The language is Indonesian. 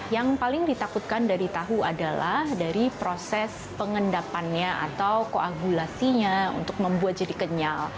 yang paling ditakutkan dari tahu adalah dari proses pengendapannya atau koagulasinya untuk membuat jadi kenyal